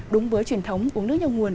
đúng với truyền thống uống nước nhau nguồn